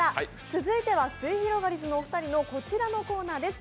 続いては、すゑひろがりずのお二人のこちらのコーナーです。